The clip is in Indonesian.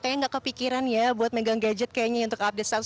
kayaknya nggak kepikiran ya buat megang gadget kayaknya untuk update status